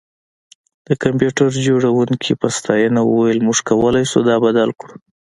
د کمپیوټر جوړونکي په ستاینه وویل موږ کولی شو دا بدل کړو